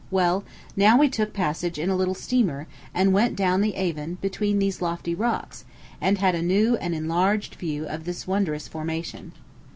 Well, now we took passage in a little steamer, and went down the Avon between these lofty rocks, and had a new and enlarged view of this wondrous formation.